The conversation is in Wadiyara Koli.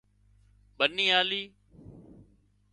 ٻنِي آلي